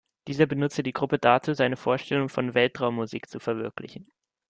Dieser benutzte die Gruppe dazu, seine Vorstellungen von „Weltraum-Musik“ zu verwirklichen.